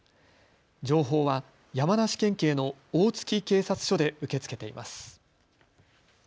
情報は山梨県警の大月警察署で受け付けています。